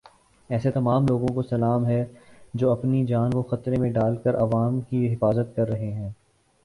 ایسے تمام لوگوں کو سلام ہے جو اپنی جان کو خطرے میں ڈال کر عوام کی حفاظت کر رہے ہیں۔